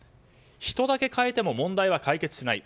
人だけ代えても問題は解決しない。